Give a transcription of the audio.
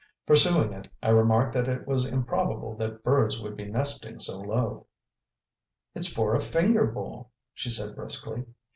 Pursuing it, I remarked that it was improbable that birds would be nesting so low. "It's for a finger bowl," she said briskly.